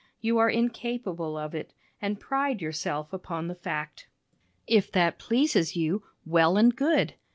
You are incapable of it, and pride yourself upon the fact. If that pleases you, well and good.